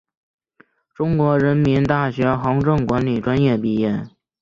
中国人民大学行政管理专业毕业。